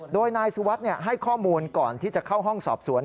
โดยนายสุวัสดิ์ให้ข้อมูลก่อนที่จะเข้าห้องสอบสวน